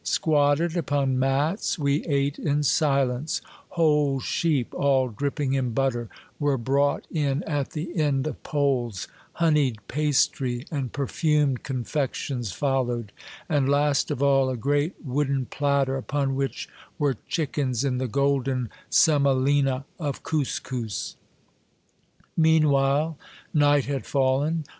Squatted upon mats we ate in silence ; whole sheep, all dripping in butter, were brought in at the end of poles, honeyed pastry and perfumed confections followed, and, last of all, a great wooden platter, upon which were chickens in the golden semolina of couscous. Meanwhile night had fallen.